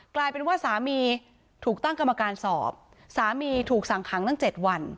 กลายเป็นว่าสามีถูกตั้งกรรมการสอบสามีถูกสั่งขังตั้ง๗วัน